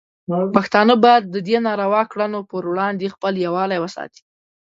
پښتانه باید د دې ناروا کړنو پر وړاندې خپل یووالی وساتي.